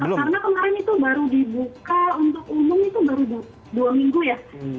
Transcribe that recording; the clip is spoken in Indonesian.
karena kemarin itu baru dibuka untuk umum itu baru dua minggu ya